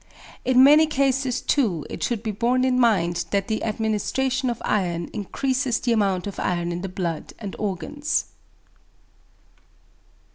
In many cases too, it should be borne in mind that the administration of iron increases the amount of iron in the blood and organs.